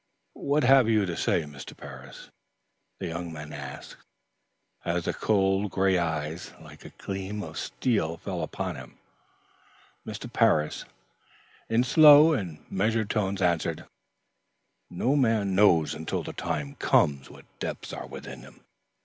"What have you to say, Mr. Parris?" the young man asked, as the cold, gray eye, like a gleam of steel fell upon him. Mr. Parris, in slow and measured tones, answered: "No man knows until the time comes what depths are within him.